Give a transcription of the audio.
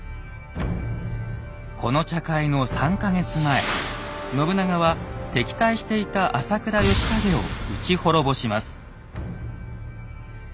この茶会の３か月前信長は敵対していた朝倉義景を討ち滅ぼします。